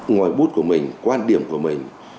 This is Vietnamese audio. ngoài bút của mình quan điểm của mình